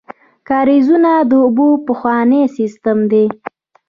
کاریزونه د اوبو پخوانی سیسټم دی.